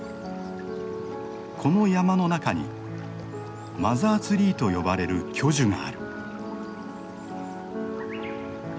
この山の中にマザーツリーと呼ばれる巨樹がある。